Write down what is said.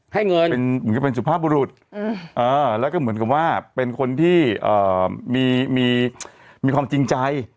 เหมือนกับเป็นสุภาพบุรุษแล้วก็เหมือนกับว่าเป็นคนที่มีความจริงใจ